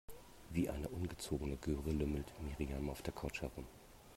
Wie eine ungezogene Göre lümmelt Miriam auf der Couch herum.